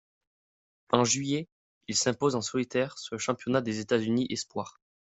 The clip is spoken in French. En juillet, il s'impose en solitaire sur le championnat des États-Unis espoirs.